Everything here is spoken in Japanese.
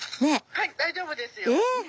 はい大丈夫ですよ。